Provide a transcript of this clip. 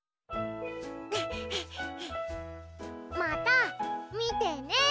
また見てね。